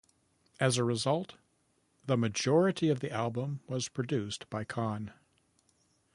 As a result, the majority of the album was produced by Kahne.